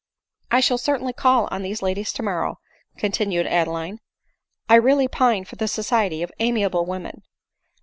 " I shall certainly call on these ladies tomorrow," con tinued Adeline ;" I really pine for the society of amiable women."